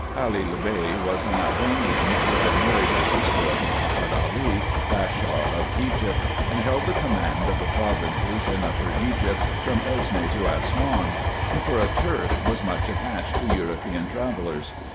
Calil Bey was an Albanian, who had married the sister of Mahomet Ali, Bashaw of Egypt, and held the command of the provinces in Upper Egypt from Esne to Assouan ; and for a Turk was much attached to European travellers.